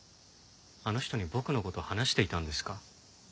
あの人に僕の事話していたんですか？